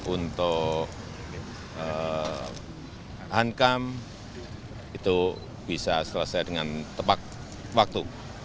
untuk hankam itu bisa selesai dengan tepat waktu